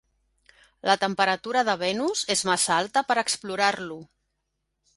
La temperatura de Venus és massa alta per explorar-lo.